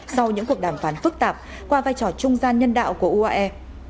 sau những cuộc đàm phán phức tạp qua vai trò trung gian nhân đạo của uae